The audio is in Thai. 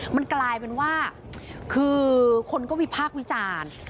มันกลายเป็นว่าคือคนก็วิพากษ์วิจารณ์